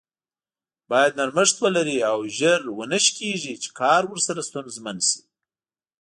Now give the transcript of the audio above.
بايد نرمښت ولري او زر و نه شکیږي چې کار ورسره ستونزمن شي.